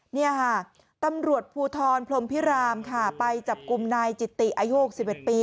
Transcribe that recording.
นี่ค่ะตำรวจภูทรพรมพิรามค่ะไปจับกลุ่มนายจิตติอายุ๖๑ปี